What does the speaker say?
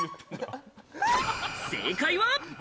正解は。